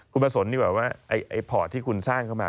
คุณมาสนว่าไอ้พอร์ตที่คุณสร้างเข้ามา